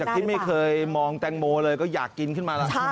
ที่ไม่เคยมองแตงโมเลยก็อยากกินขึ้นมาแล้ว